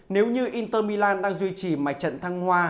nếu như inter milan đang duy trì mạch trận thăng hoa